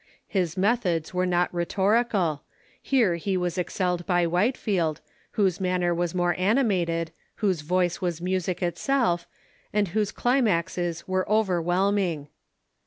His methods were not rhetorical. Here he was excelled by Whitefield, whose manner Avas more animated, whose voice was music itself, and whose climaxes were overwhelming.